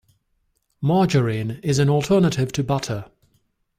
Margarine is an alternative to butter.